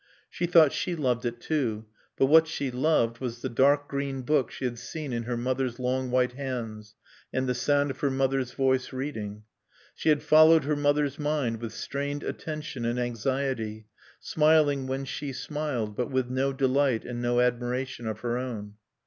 She thought she loved it too; but what she loved was the dark green book she had seen in her mother's long, white hands, and the sound of her mother's voice reading. She had followed her mother's mind with strained attention and anxiety, smiling when she smiled, but with no delight and no admiration of her own.